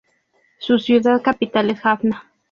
Su ciudad capital es Jaffna.